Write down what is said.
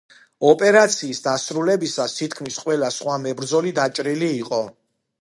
ოპერაციის დასრულებისას თითქმის ყველა სხვა მებრძოლი დაჭრილი იყო.